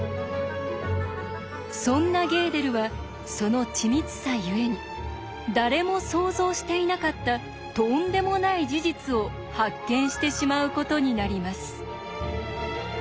そんなゲーデルはその緻密さゆえに誰も想像していなかったとんでもない事実を発見してしまうことになります。